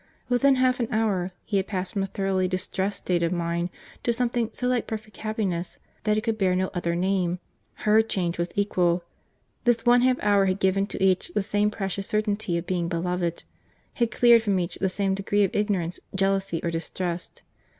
—Within half an hour, he had passed from a thoroughly distressed state of mind, to something so like perfect happiness, that it could bear no other name. Her change was equal.—This one half hour had given to each the same precious certainty of being beloved, had cleared from each the same degree of ignorance, jealousy, or distrust.